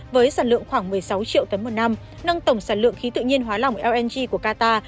với sản lượng khoảng một mươi sáu triệu tấn một năm nâng tổng sản lượng khí tự nhiên hóa lỏng lng của qatar